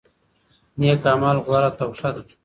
نیک اعمال غوره توښه ده.